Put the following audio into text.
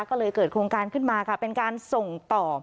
ก็เลยเกิดโครงการขึ้นมาค่ะเป็นการส่งต่อ